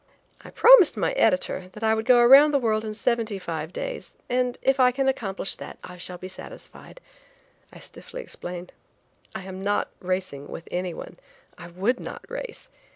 "I promised my editor that I would go around the world in seventy five days, and if I accomplish that I shall be satisfied," I stiffly explained. "I am not racing with anyone. I would not race.